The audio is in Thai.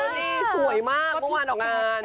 ลี่สวยมากเมื่อวานออกงาน